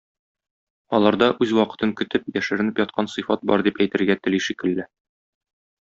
Аларда үз вакытын көтеп, яшеренеп яткан сыйфат бар дип әйтергә тели шикелле.